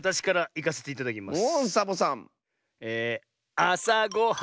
「あさごはん